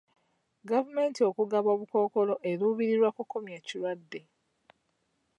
Gavumenti okugaba obukkookolo eruubirira kukomya kirwadde.